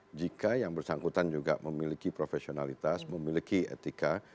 etika yang bersangkutan juga memiliki profesionalitas memiliki etika